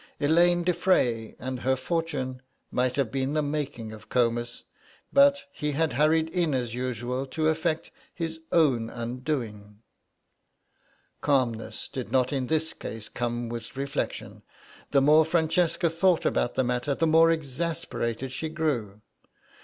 Elaine de Frey and her fortune might have been the making of Comus, but he had hurried in as usual to effect his own undoing. Calmness did not in this case come with reflection; the more Francesca thought about the matter, the more exasperated she grew.